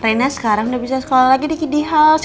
rena sekarang udah bisa sekolah lagi di kiddy house